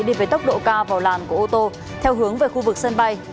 đi với tốc độ cao vào làn của ô tô theo hướng về khu vực sân bay